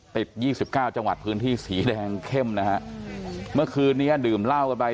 ยี่สิบเก้าจังหวัดพื้นที่สีแดงเข้มนะฮะเมื่อคืนนี้ดื่มเหล้ากันไป